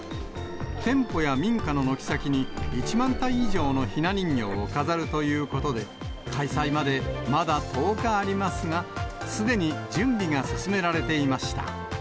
店舗や民家の軒先に、１万体以上のひな人形を飾るということで、開催までまだ１０日ありますが、すでに準備が進められていました。